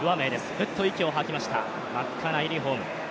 ふっと息を吐きました、真っ赤なユニフォーム。